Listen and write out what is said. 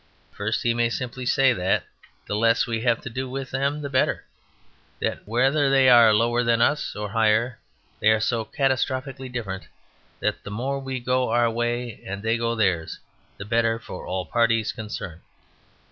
First, he may simply say that the less we have to do with them the better; that whether they are lower than us or higher they are so catastrophically different that the more we go our way and they go theirs the better for all parties concerned.